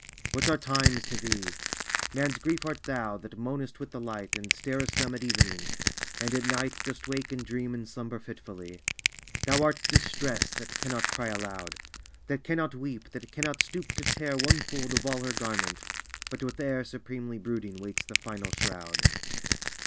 What are times to thee? Man's Grief art thou, that moanest with the light, And starest dumb at evening — and at night Dost wake and dream and slumber fitfully ! Thou art Distress — ^that cannot cry alou<^ That cannot weep, that cannot stoop to tear One fold of all her garment, but with air Supremely brooding waits the final shroud